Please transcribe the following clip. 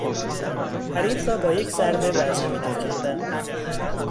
حریف را با یک ضربه برزمین افکندن